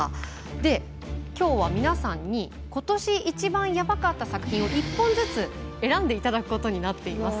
で今日は皆さんに今年一番ヤバかった作品を１本ずつ選んでいただくことになっています。